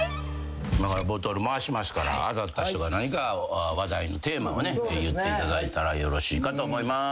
今からボトル回しますから当たった人が何か話題のテーマをね言っていただいたらよろしいかと思います。